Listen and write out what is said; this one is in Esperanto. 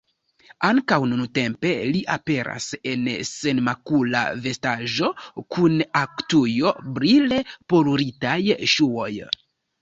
Ankaŭ nuntempe li aperas en senmakula vestaĵo, kun aktujo, brile poluritaj ŝuoj.